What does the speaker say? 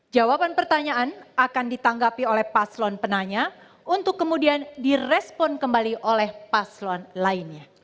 jawaban pertanyaan akan ditanggapi oleh paslon penanya untuk kemudian direspon kembali oleh paslon lainnya